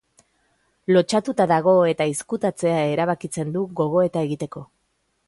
Lotsatuta dago eta izkutatzea erabakitzen du gogoeta egiteko.